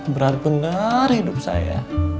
berat benar hidup saya